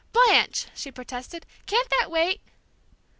"Blanche!" she protested, "can't that wait?"